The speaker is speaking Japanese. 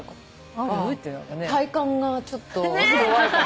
ああ体幹がちょっと弱いかも。